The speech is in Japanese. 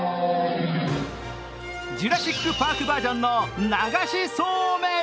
「ジュラシック・パーク」バージョンの流しそうめん。